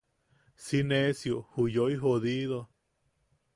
¡Si nesio ju yoi jodido!